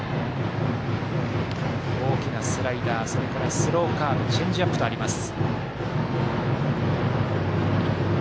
大きなスライダーそれからスローカーブチェンジアップとあります。